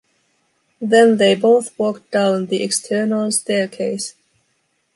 Then they both walked down the external staircase.